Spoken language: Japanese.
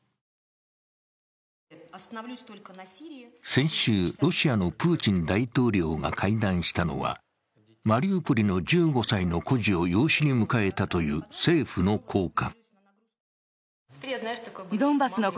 先週、ロシアのプーチン大統領が会談したのはマリウポリの１５歳の孤児を養子に迎えたという政府の高官。